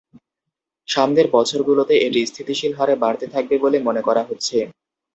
সামনের বছরগুলোতে এটি স্থিতিশীল হারে বাড়তে থাকবে বলে মনে করা হচ্ছে।